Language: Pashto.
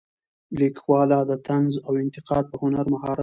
لیکواله د طنز او انتقاد په هنر مهارت لرلو.